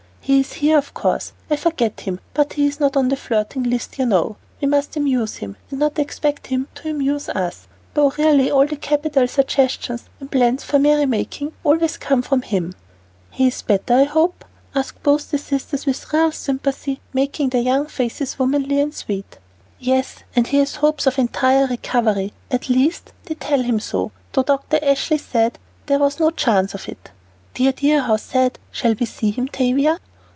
"He is here, of course. I forget him, but he is not on the flirting list, you know. We must amuse him, and not expect him to amuse us, though really, all the capital suggestions and plans for merrymaking always come from him." "He is better, I hope?" asked both sisters with real sympathy, making their young faces womanly and sweet. "Yes, and has hopes of entire recovery. At least, they tell him so, though Dr. Ashley said there was no chance of it." "Dear, dear, how sad! Shall we see him, Tavia?"